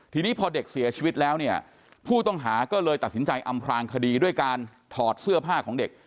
ทีนี้พอเด็กเสียชีวิตแล้วเนี่ยผู้ต้องหาก็เลยตัดสินใจอำพลางคดีด้วยการถอดเสื้อผ้าของเด็ก